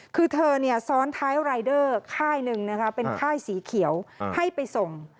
คือเธอซ้อนท้ายรายเดอร์ค่ายหนึ่งนะคะเป็นค่ายสีเขียวให้ไปส่ง